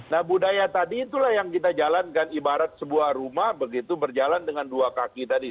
nah budaya tadi itulah yang kita jalankan ibarat sebuah rumah begitu berjalan dengan dua kaki tadi